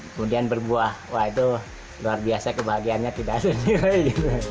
kemudian berbuah wah itu luar biasa kebahagiaannya tidak sendiri